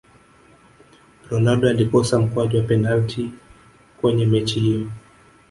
ronaldo alikosa mkwaju wa penati kwenye mechi hiyo